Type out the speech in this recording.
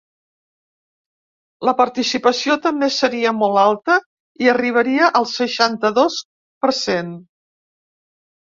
La participació també seria molt alta i arribaria al seixanta-dos per cent.